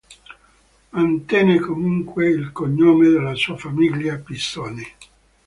Mantenne comunque il cognome della sua famiglia, "Pisone".